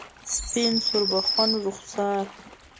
سپین سوربخن رخسار